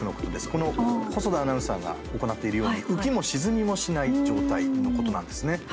この細田アナウンサーが行っているように浮きも沈みもしない状態のことなんですね。